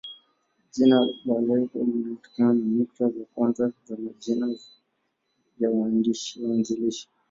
Jina la lebo limetokana na nukta za kwanza za majina ya waanzilishi.